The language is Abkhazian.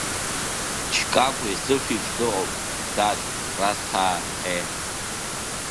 Чкәагә Есыф иҿ иҟоп, дад Расҭаа, ҳее!